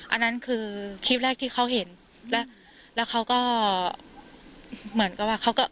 อันนั้นคือคลิปแรกที่เขาเห็นแล้วแล้วเขาก็เหมือนกับว่าเขาก็